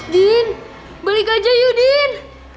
din balik aja yuk din